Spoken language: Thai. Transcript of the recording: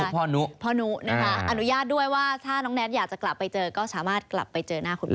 พ่อนุพ่อนุนะคะอนุญาตด้วยว่าถ้าน้องแน็ตอยากจะกลับไปเจอก็สามารถกลับไปเจอหน้าคุณแม่